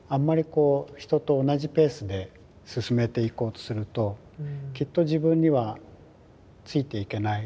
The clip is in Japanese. こう人と同じペースで進めていこうとするときっと自分にはついていけない。